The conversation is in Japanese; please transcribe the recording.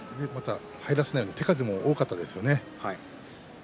入らせないように手数も多かったですよね。